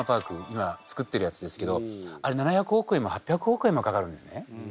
今作ってるやつですけどあれ７００億円も８００億円もかかるんですね。